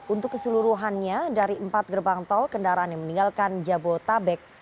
untuk keseluruhannya dari empat gerbang tol kendaraan yang meninggalkan jabodetabek